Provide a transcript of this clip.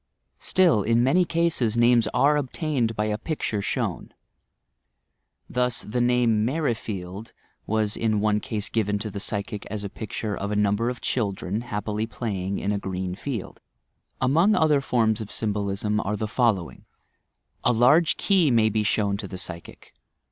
Still, in many cases, names are obtained by a picture shown. Thus, the name "Merrifield" was in one case given to the psychic as a picture of a num ber of children, happily playing in a green field. Among other forms of symbolism are the following: A large key may be shown to the psychic.